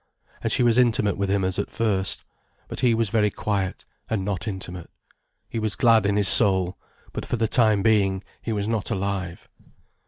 And she was intimate with him as at first. But he was very quiet, and not intimate. He was glad in his soul, but for the time being he was not alive.